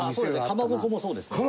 かまぼこもそうですね。